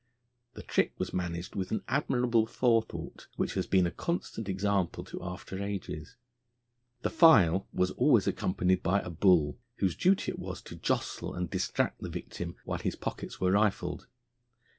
The trick was managed with an admirable forethought, which has been a constant example to after ages. The file was always accompanied by a bull, whose duty it was to jostle and distract the victim while his pockets were rifled.